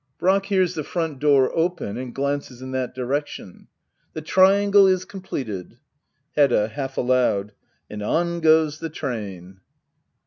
Brack. [Hears the front door open, and glances in that direction.] The triangle is completed. Hedda. [Half aloud,] And on goes the train.